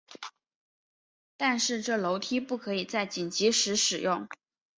但是这楼梯不可以在紧急时使用。